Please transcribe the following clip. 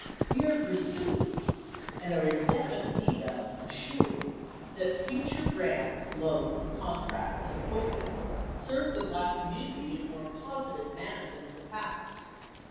We are pursuing, and are in definite need of, assuring [that] future grants, loans, contracts and appointments serve the Black community in a more positive manner than in the past.